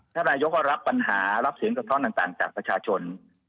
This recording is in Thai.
ท่านนายกก็รับปัญหารับเสียงสะท้อนต่างจากประชาชน